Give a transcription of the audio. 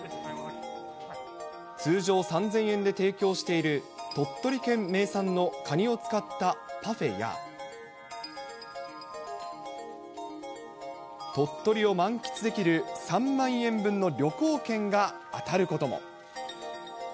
通常３０００円で提供している、鳥取県名産のカニを使ったパフェや、鳥取を満喫できる３万円分の旅行券が当たることも。